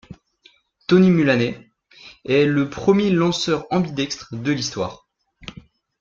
Tony Mullane est le premier lanceur ambidextre de l'histoire.